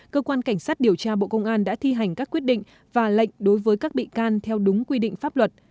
cơ quan cảnh sát điều tra bộ công an đã thi hành các quyết định và lệnh đối với các bị can theo đúng quy định pháp luật